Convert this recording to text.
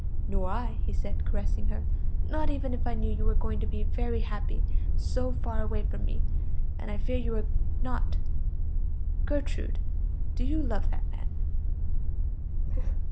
"Nor I," he said, caressing her; "not even if I knew you were going to be very happy so far away from me; and I fear you are not. Gertrude, do you love that man?"